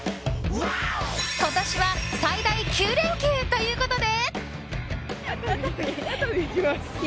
今年は最大９連休ということで。